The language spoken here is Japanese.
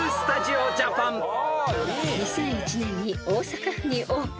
［２００１年に大阪府にオープン］